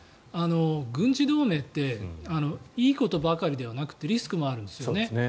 軍事同盟っていいことばかりではなくてリスクもあるんですよね。